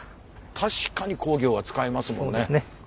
確かに工業は使いますもんね。